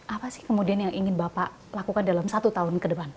apa sih kemudian yang ingin bapak lakukan dalam satu tahun ke depan